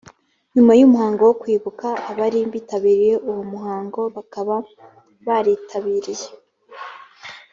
nyuma y umuhango wo kwibuka abari bitabiriye uwo muhango bakaba baritabiriye